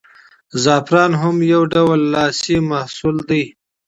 زعفران هم یو ډول لاسي محصول دی.